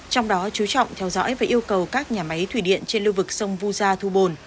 trong đó chú trọng theo dõi và yêu cầu các nhà máy thủy điện trên lưu vực sông vu gia thu bồn